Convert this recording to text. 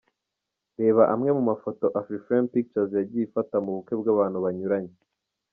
Reba amwe mu mafoto Afrifame Pictures yagiye ifata mu bukwe bw'abantu banyuranye.